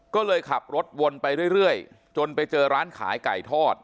ก็เลยขับรถวนไปเรื่อยจนไปเจอร้านขายไก่ทอด